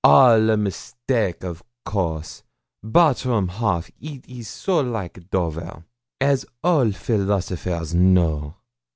'All a mistake, of course. Bartram Haugh, it is so like Dover, as all philosophers know.'